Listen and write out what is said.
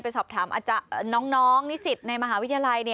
ไปสอบถามน้องนิสิทธิ์ในมหาวิทยาลัย